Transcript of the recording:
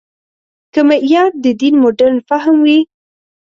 که معیار د دین مډرن فهم وي.